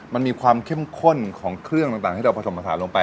มันมีความเข้มข้นของเครื่องต่างที่เราผสมผสานลงไป